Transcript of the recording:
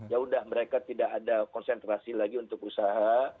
ya udah mereka tidak ada konsentrasi lagi untuk usaha